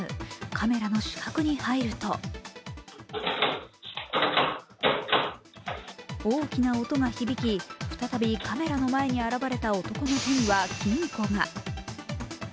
カメラの死角に入ると大きな音が響き、再びカメラの前に現れた男の手には金庫が。